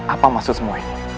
apa maksud semua ini